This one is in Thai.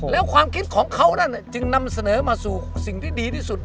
แล้วความคิดของเขานั่นจึงนำเสนอมาสู่สิ่งที่ดีที่สุด